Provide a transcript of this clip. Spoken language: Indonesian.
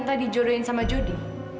nggak dijodohin sama jodi